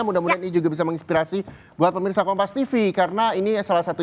mudah mudahan ini juga bisa menginspirasi buat pemirsa kompas tv karena ini salah satu